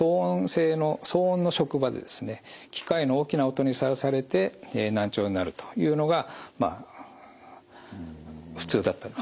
機械の大きな音にさらされて難聴になるというのが普通だったんですね。